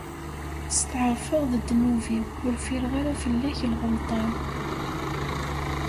Setɛerfeɣ s ddnub-iw, ur ffireɣ ara fell-ak lɣelṭa-w.